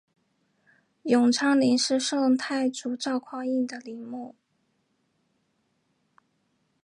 永昌陵是宋太祖赵匡胤的陵墓。